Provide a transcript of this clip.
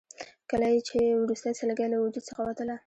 کله یې چې وروستۍ سلګۍ له وجود څخه وتله.